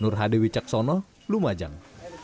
nurhadewi caksono lumajang